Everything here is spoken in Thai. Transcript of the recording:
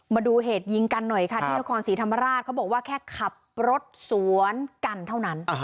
มาดูเหตุยิงกันหน่อยค่ะที่นครศรีธรรมราชเขาบอกว่าแค่ขับรถสวนกันเท่านั้น